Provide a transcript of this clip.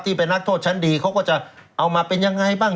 ที่เป็นนักโทษชั้นดีเขาก็จะเอามาเป็นยังไงบ้าง